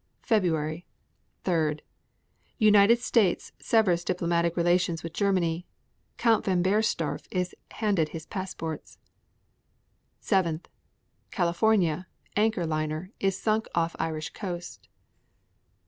February 3. United States severs diplomatic relations with Germany. Count Von Bernstorff is handed his passports. 7. California, Anchor liner, is sunk off Irish coast.